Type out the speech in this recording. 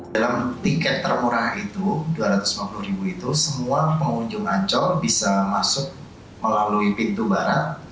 dalam tiket termurah itu dua ratus lima puluh ribu itu semua pengunjung ancol bisa masuk melalui pintu barat